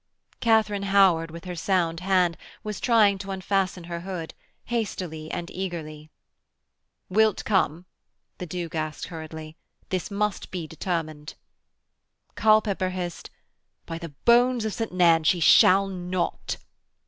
Katharine Howard with her sound hand was trying to unfasten her hood, hastily and eagerly. 'Wilt come?' the Duke asked hurriedly. 'This must be determined.' Culpepper hissed: 'By the bones of St. Nairn she shall not.'